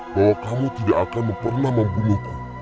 bahwa kamu tidak akan pernah membunuhku